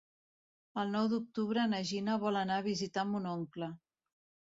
El nou d'octubre na Gina vol anar a visitar mon oncle.